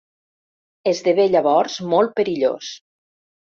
Esdevé llavors molt perillós.